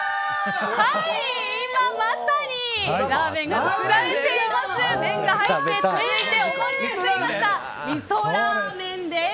今まさに、ラーメンが作られています。